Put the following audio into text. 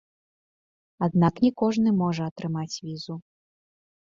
Аднак не кожны можа атрымаць візу.